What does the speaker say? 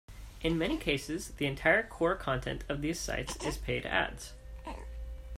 In many cases, the entire core content of these sites is paid ads.